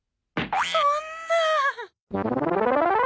そんなあ。